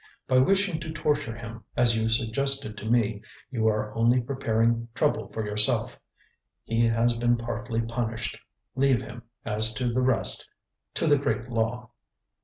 By wishing to torture him, as you suggested to me, you are only preparing trouble for yourself. He has been partly punished. Leave him, as to the rest, to the Great Law."